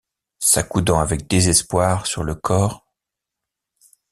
S’accoudant avec désespoir sur le corps.